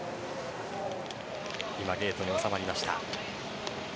今、ゲートに収まりました。